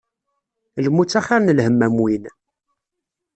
Lmut axir n lhemm am win.